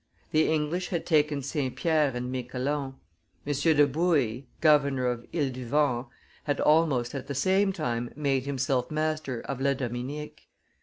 The English had taken St. Pierre and Miquelon. M. de Bouille, governor of Iles du Vent, had almost at the same time made himself master of La Dominique.